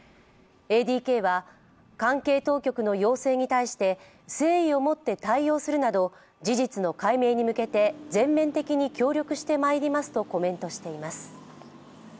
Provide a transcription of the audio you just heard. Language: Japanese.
ＡＤＫは関係当局の要請に対して誠意を持って対応するなど、事実の解明に向けて全面的に協力してまいりますとコメントしています。